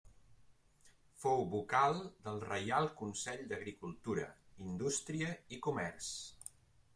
Fou vocal del Reial Consell d'Agricultura, Indústria i Comerç.